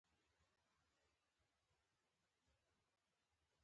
او هغه څوک چې جګړه نه غواړي، هغه څنګه دي؟